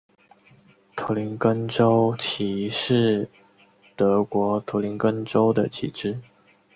图林根州旗是德国图林根州的旗帜。